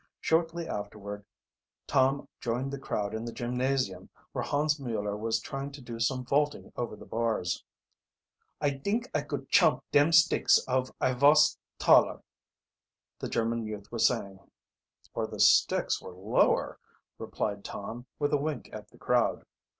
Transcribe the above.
Shortly afterward Tom joined the crowd in the gymnasium, where Hans Mueller was trying to do some vaulting over the bars. "I dink I could chump dem sticks of I vos taller," the German youth was saying. "Or the sticks were lower," replied Tom, with a wink at the crowd.